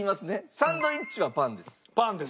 サンドイッチはパンです。